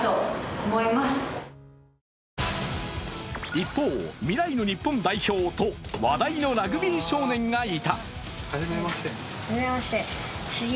一方、未来の日本代表と話題のラグビー少年がいた。